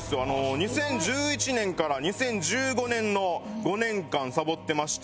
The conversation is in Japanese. ２０１１年から２０１５年の５年間サボってまして。